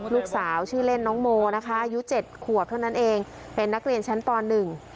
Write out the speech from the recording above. ลูกสาวชื่อเล่นน้องโมนะคะอายุเจ็ดขวบเท่านั้นเองเป็นนักเรียนชั้นปหนึ่ง